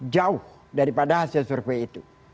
jauh daripada hasil survei itu